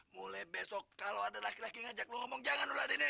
mulai besok kalau ada laki laki ngajak lo ngomong jangan lo ladenin